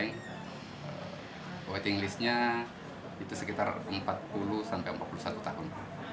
dan waiting listnya itu sekitar empat puluh sampai empat puluh satu tahun